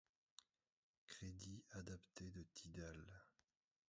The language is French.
Crédits adaptés de Tidal.